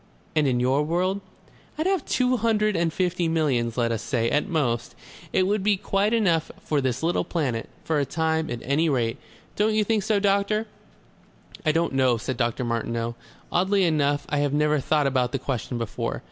"And in your world?" "I'd have two hundred and fifty millions, let us say. At most. It would be quite enough for this little planet, for a time, at any rate. Don't you think so, doctor?" "I don't know," said Dr. Martineau. "Oddly enough, I have never thought about that question before.